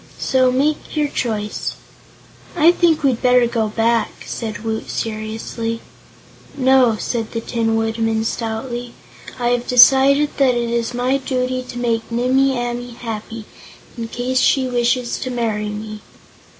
So make your choice." "I think we'd better go back," said Woot seriously "No," said the Tin Woodman, stoutly, "I have decided that it's my duty to make Nimmie Amee happy, in case she wishes to marry me."